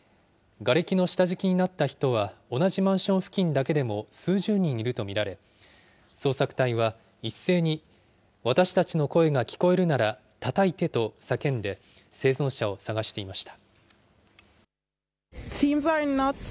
がれきの下敷きになった人は、同じマンション付近だけでも数十人いると見られ、捜索隊は一斉に私たちの声が聞こえるならたたいてと叫んで、生存者を捜していました。